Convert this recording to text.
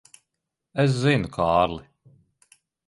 Es zinu, Kārli.